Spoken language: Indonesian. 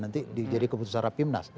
nanti jadi keputusan rapimnas